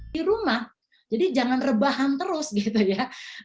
di rumah jadi jangan rebahan terus gitu ya